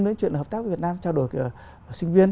đến chuyện hợp tác với việt nam trao đổi